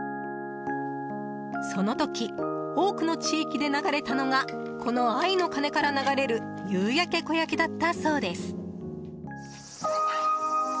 その時、多くの地域で流れたのがこの「愛の鐘」から流れる「夕焼け小焼け」だったそうです。